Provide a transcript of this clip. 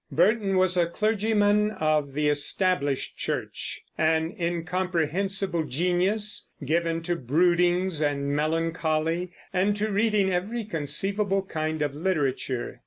Burton was a clergyman of the Established Church, an incomprehensible genius, given to broodings and melancholy and to reading of every conceivable kind of literature.